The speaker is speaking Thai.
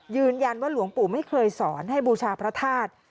ยืนยันว่าหลวงปู่ไม่เคยสอนให้บูชาพระธาตุ